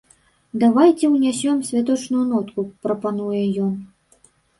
Давайце ўнясём святочную нотку, прапануе ён.